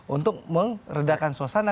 untuk mengredakan suasana